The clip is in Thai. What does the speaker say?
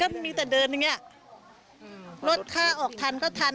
ไม่ได้ค่ะก็มีแต่เดินอย่างนี้รถถ้าออกทันก็ทัน